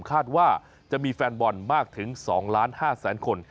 คาดว่าจะมีแฟนบอลมากถึง๒๕๐๐๐คน